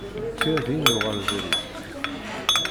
Kra din yuɣal berrik.